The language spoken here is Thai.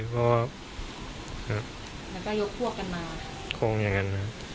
เพราะว่าคงอย่างนั้น